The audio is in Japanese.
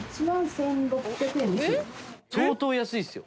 相当安いっすよ。